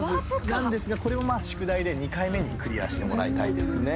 なんですがこれを、まあ宿題で２回目にクリアしてもらいたいですね。